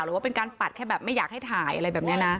หรือว่าเป็นการปัดแค่แบบไม่อยากให้ถ่ายอะไรแบบนี้นะ